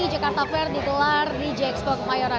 jakarta fair ditelar di jxpok mayoran